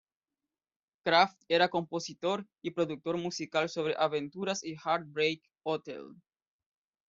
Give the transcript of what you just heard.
Kraft era compositor y productor musical sobre Aventuras y Heartbreak Hotel.